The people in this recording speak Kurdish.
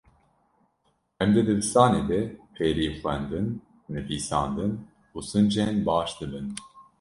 Em di dibistanê de fêrî xwendin, nivîsandin û sincên baş dibin.